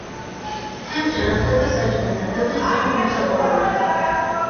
თევზჭერა ხდება საჭმლის და თევზის ცხიმის მოსაპოვებლად.